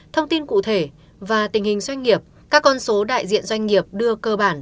thông tin cụ thể và tình hình doanh nghiệp các con số đại diện doanh nghiệp đưa cơ bản